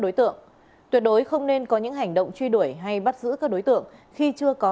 đối tượng tuyệt đối không nên có những hành động truy đuổi hay bắt giữ các đối tượng khi chưa có